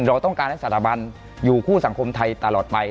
เราต้องการให้สถาบันอยู่คู่สังคมไทยตลอดไป